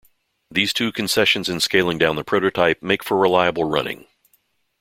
These two concessions in scaling down the prototype make for reliable running.